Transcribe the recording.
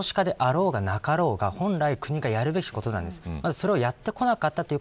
子育て支援は少子化であろうがなかろうが本来国がやるべきことなんです。